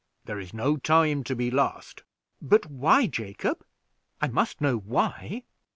There is no time to be lost." "But why, Jacob; I must know why?"